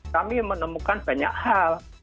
kami menemukan banyak hal